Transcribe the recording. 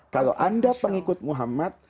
kalau anda pengikut muhammad